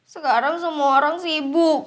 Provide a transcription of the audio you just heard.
sekarang semua orang sibuk